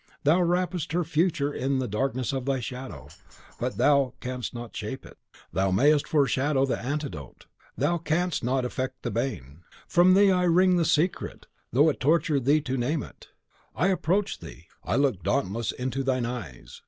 Thou wrappest her future in the darkness of thy shadow, but thou canst not shape it. Thou mayest foreshow the antidote; thou canst not effect the bane. From thee I wring the secret, though it torture thee to name it. I approach thee, I look dauntless into thine eyes.